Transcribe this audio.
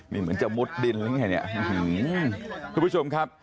นี่เหมือนจะมุดดินหรือไงเนี่ยทุกผู้ชมครับ